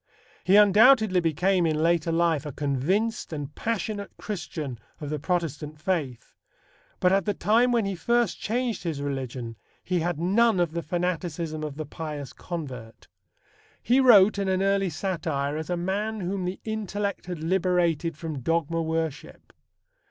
He undoubtedly became in later life a convinced and passionate Christian of the Protestant faith, but at the time when he first changed his religion he had none of the fanaticism of the pious convert. He wrote in an early satire as a man whom the intellect had liberated from dogma worship.